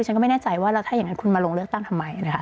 ฉันก็ไม่แน่ใจว่าแล้วถ้าอย่างนั้นคุณมาลงเลือกตั้งทำไมนะคะ